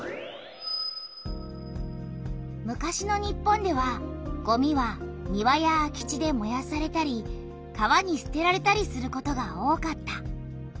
昔の日本ではごみは庭や空き地でもやされたり川にすてられたりすることが多かった。